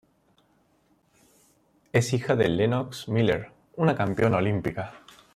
Es hija de Lennox Miller, una campeona olímpica.